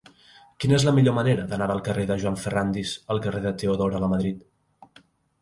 Quina és la millor manera d'anar del carrer de Joan Ferrándiz al carrer de Teodora Lamadrid?